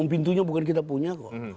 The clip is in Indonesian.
pintunya bukan kita punya